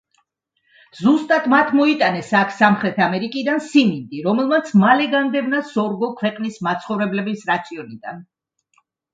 ზუსტად მათ მოიტანეს აქ სამხრეთ ამერიკიდან სიმინდი, რომელმაც მალე განდევნა სორგო ქვეყნის მაცხოვრებლების რაციონიდან.